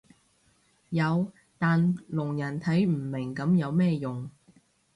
有但聾人睇唔明噉有咩用